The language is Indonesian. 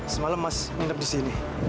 semalam masih tidur di sini